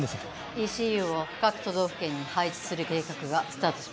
「ＥＣＵ」を各都道府県に配置する計画がスタートします。